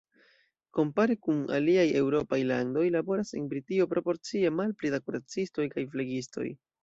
Kompare kun aliaj eŭropaj landoj laboras en Britio proporcie malpli da kuracistoj kaj flegistoj.